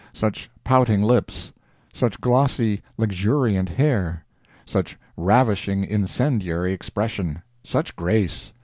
such pouting lips! such glossy, luxuriant hair! such ravishing, incendiary expression! such grace!